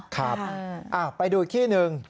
ครับไปดูอีกที่หนึ่ง